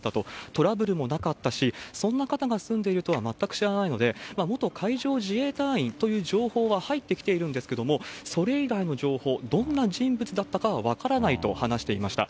トラブルもなかったし、そんな方が住んでいるとは全く知らないので、元海上自衛隊員という情報は入ってきているんですけども、それ以外の情報、どんな人物だったかは分からないと話していました。